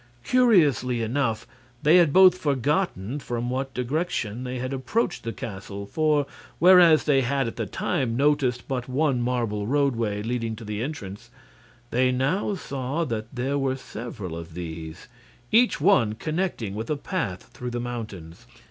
Curiously enough, they had both forgotten from what direction they had approached the castle; for, whereas they had at that time noticed but one marble roadway leading to the entrance, they now saw that there were several of these, each one connecting with a path through the mountains.